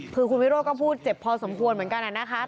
คือคุณวิโรธก็พูดเจ็บพอสมควรเหมือนกันนะคะ